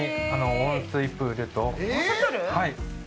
温水プール？